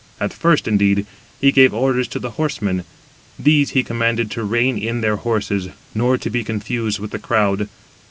At first, indeed, he gave orders to the horsemen; these he commanded to rein in their horses, nor to be confused with the crowd.